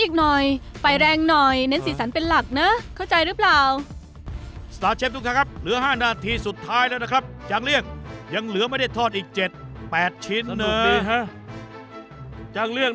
ข้างนอกกรูปกรอบข้างในทั้งฉากอะไรโอ้ใช่เลย